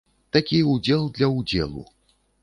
Такі ўдзел для ўдзелу.